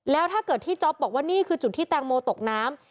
แล้วถ้าเกิดที่จ๊อปบอกว่านี่คือจุดที่แตงโมตกน้ำ